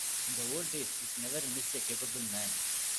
In the old days it never missed a capable man.